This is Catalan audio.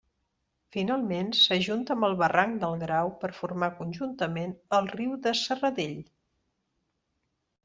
Finalment, s'ajunta amb el barranc del Grau per formar conjuntament el riu de Serradell.